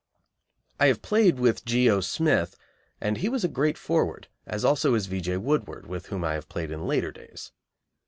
I have played with G. O. Smith, and he was a great forward, as also is V. J. Woodward, with whom I have played in later days.